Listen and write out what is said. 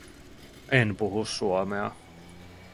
En puhu suomea